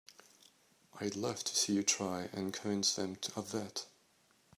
I'd love to see you try and convince them of that!